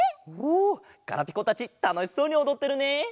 ほうガラピコたちたのしそうにおどってるね！